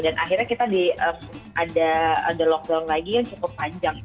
dan akhirnya kita ada lockdown lagi yang cukup panjang